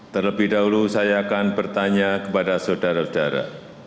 terlebih dahulu saya akan bertanya kepada saudara saudara